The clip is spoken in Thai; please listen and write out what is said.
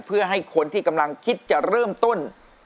เพื่อให้คนที่กำลังคิดจะเริ่มต้น